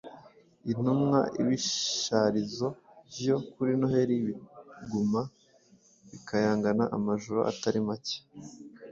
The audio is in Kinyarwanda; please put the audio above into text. Intumwa Ibisharizo vyo kuri Noheli biguma bikayangana amajoro atari make